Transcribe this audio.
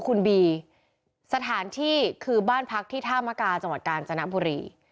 คุณบีสถานที่คือบ้านพักที่ท่ามกาจังหวัดกาญจนบุรี